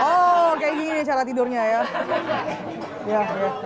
oh kayak gini cara tidurnya ya